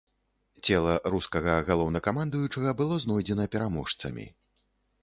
Цела рускага галоўнакамандуючага было знойдзена пераможцамі.